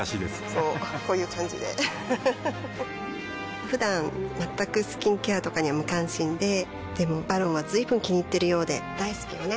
こうこういう感じでうふふふだん全くスキンケアとかに無関心ででも「ＶＡＲＯＮ」は随分気にいっているようで大好きよね